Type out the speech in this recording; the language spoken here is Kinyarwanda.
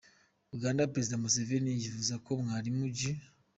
Uganda: Perezida Museveni yifuza ko Mwalimu J.